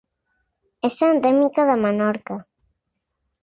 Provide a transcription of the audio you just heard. És endèmica de Menorca.